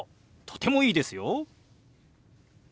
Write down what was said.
とてもいいですよ。